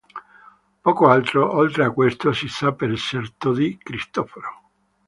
Poco altro, oltre a questo, si sa per certo di Cristoforo.